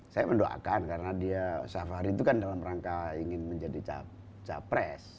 saya mendoakan karena dia safari itu kan dalam rangka ingin menjadi capres